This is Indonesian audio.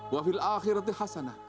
wa fil akhirati hasanah